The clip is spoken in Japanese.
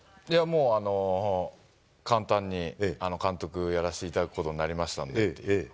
もう、簡単に監督やらせていただくことになりましたんでって。